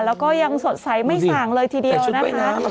แล้วก็ยังสดใสไม่ส่างเลยทีเดียวนะคะ